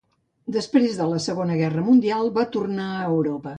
Després de la Segona Guerra Mundial va tornar a Europa.